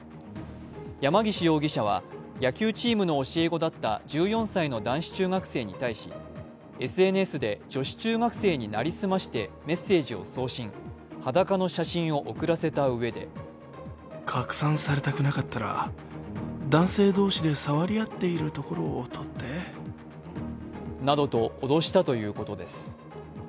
山岸容疑者は野球チームの教え子だった１４歳の男子中学生に対し、ＳＮＳで女子中学生に成り済ましてメッセージを送信裸の写真を送らせたうえでなどと脅したということです。